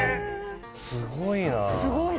すごいな。